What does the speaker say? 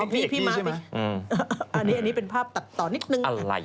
พี่ม้าไหมอันนี้เป็นภาพตัดต่อนิดนึง